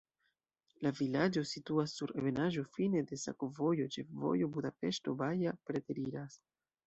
La vilaĝo situas sur ebenaĵo, fine de sakovojo, ĉefvojo Budapeŝto-Baja preteriras.